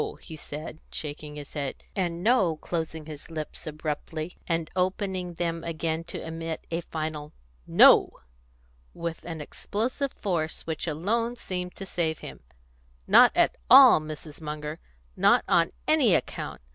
he said, shaking his head, and "No!" closing his lips abruptly, and opening them again to emit a final "No!" with an explosive force which alone seemed to save him. "Not at all, Mrs. Munger; not on any account!